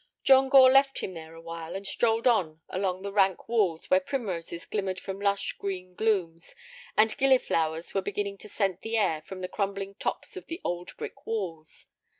John Gore left him there awhile, and strolled on along the rank walks where primroses glimmered from lush green glooms, and gilliflowers were beginning to scent the air from the crumbling tops of the old brick walls.